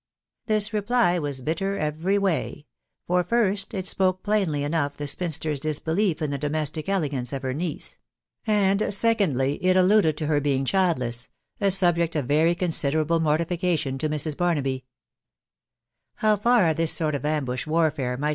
This reply was bitter every way; for, first, it spoke plainly enough the spinster's disbelief in the domestic elegance of her niece ; and, secondly, it alluded to her being childless, a sub ject of very considerable mortification to Mrs. Barnaby* How far this sort of ambush warfare xcv\^a\.